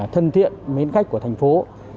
thân thiện đến khách của thành phố